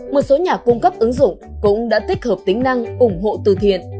một số nhà cung cấp ứng dụng cũng đã tích hợp tính năng ủng hộ từ thiện